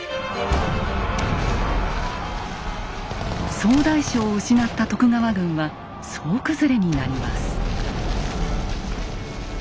総大将を失った徳川軍は総崩れになります。